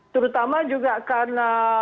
terutama juga karena